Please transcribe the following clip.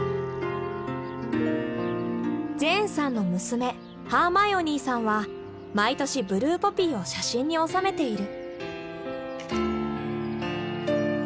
ジェーンさんの娘ハーマイオニーさんは毎年ブルーポピーを写真に収めている。